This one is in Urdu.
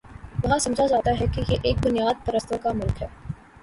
وہاں سمجھا جاتا ہے کہ یہ ایک بنیاد پرستوں کا ملک ہے۔